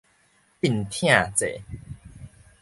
鎮痛劑